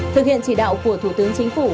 thực hiện chỉ đạo của thủ tướng chính phủ